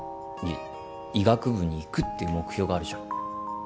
医学部に行くっていう目標があるじゃん